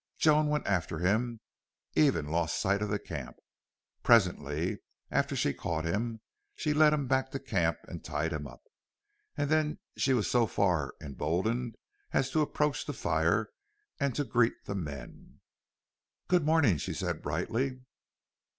Joan went after him, even lost sight of camp. Presently, after she caught him, she led him back to camp and tied him up. And then she was so far emboldened as to approach the fire and to greet the men. "Good morning," she said, brightly.